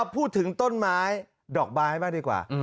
พูดถึงต้นไม้ดอกไม้บ้างดีกว่า